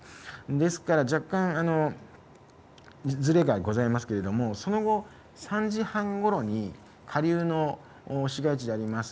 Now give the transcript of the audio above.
ですから若干、ずれがございますけれども、その後、３時半ごろに下流の市街地であります